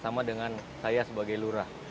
sama dengan saya sebagai lurah